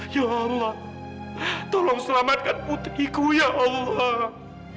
ya allah tolong selamatkan putriku ya allah